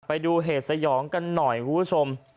ไปดูเหตุสยองกันหน่อยคุณผู้ชม